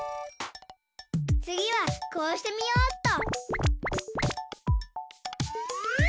つぎはこうしてみようっと。